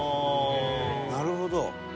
なるほど。